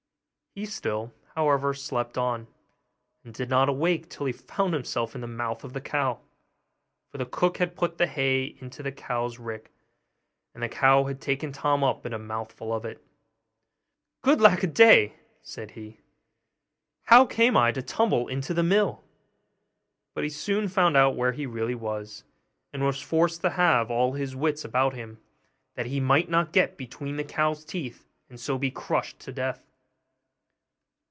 He still, however, slept on, and did not awake till he found himself in the mouth of the cow; for the cook had put the hay into the cow's rick, and the cow had taken Tom up in a mouthful of it. 'Good lack a day!' said he, 'how came I to tumble into the mill?' But he soon found out where he really was; and was forced to have all his wits about him, that he might not get between the cow's teeth, and so be crushed to death.